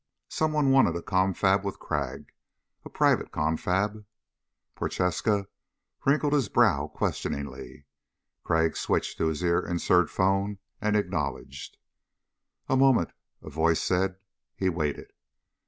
Someone wanted a confab with Crag. A private confab. Prochaska wrinkled his brow questioningly. Crag switched to his ear insert phone and acknowledged. "A moment," a voice said. He waited.